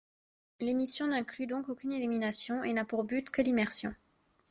L'émission n'inclut donc aucune élimination et n'a pour but que l'immersion.